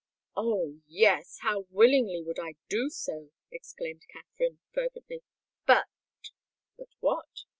"Oh! yes—how willingly would I do so!" exclaimed Katherine fervently. "But——" "But what?"